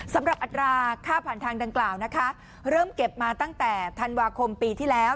อัตราค่าผ่านทางดังกล่าวนะคะเริ่มเก็บมาตั้งแต่ธันวาคมปีที่แล้ว